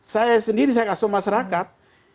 saya sendiri saya kasih masyarakat